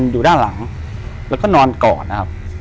อยู่ที่แม่ศรีวิรัยิลครับ